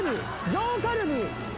上カルビ。